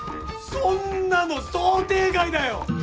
そんなの想定外だよ！